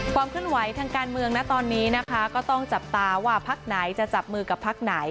เคลื่อนไหวทางการเมืองนะตอนนี้นะคะก็ต้องจับตาว่าพักไหนจะจับมือกับพักไหน